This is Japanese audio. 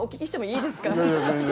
いいですか？